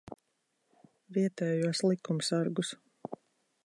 Vietējos likumsargus.